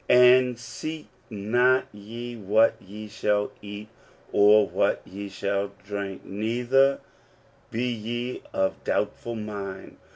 — "And seek not ye what ye shall eat, or what ye shall drink, neither be ye of doubtful mind.